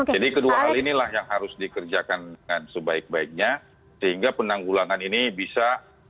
jadi kedua hal inilah yang harus dikerjakan dengan sebaik baiknya sehingga penanggulangan ini bisa